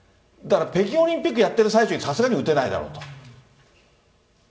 だから北京オリンピックやってる最中にさすがに打てないだろうと。